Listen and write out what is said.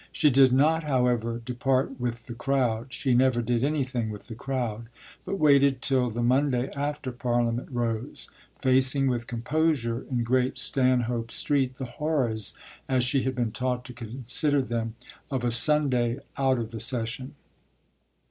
She did not, however, depart with the crowd she never did anything with the crowd but waited till the Monday after Parliament rose; facing with composure, in Great Stanhope Street, the horrors, as she had been taught to consider them, of a Sunday out of the session.